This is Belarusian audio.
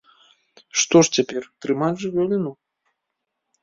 Што ж цяпер трымаць жывёліну?